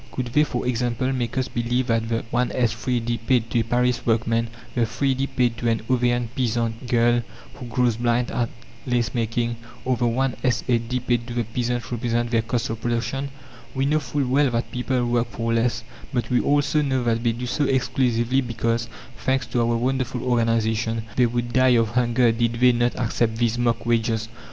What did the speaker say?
Could they, for example, make us believe that the 1s. 3d. paid to a Paris workwoman, the 3d. paid to an Auvergne peasant girl who grows blind at lace making, or the 1s. 8d. paid to the peasant represent their "cost of production." We know full well that people work for less, but we also know that they do so exclusively because, thanks to our wonderful organization, they would die of hunger did they not accept these mock wages.